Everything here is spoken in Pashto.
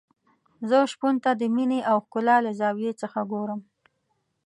زه شپون ته د مينې او ښکلا له زاویې څخه ګورم.